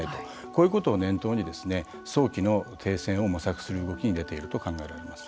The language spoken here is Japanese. こういうことを念頭に早期の停戦を模索する動きに出ていると考えられます。